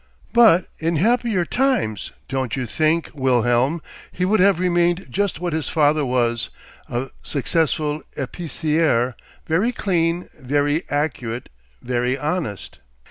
But in happier times, don't you think, Wilhelm, he would have remained just what his father was, a successful épicier, very clean, very accurate, very honest.